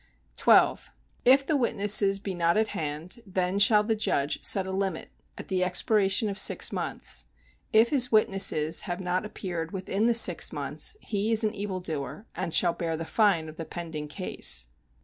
12. If the witnesses be not at hand, then shall the judge set a limit, at the expiration of six months. If his witnesses have not appeared within the six months, he is an evil doer, and shall bear the fine of the pending case.